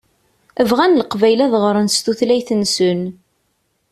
Bɣan Leqbayel ad ɣṛen s tutlayt-nsen.